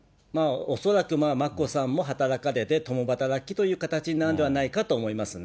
恐らく、眞子さんも働かれて、共働きという形になるかと思いますね。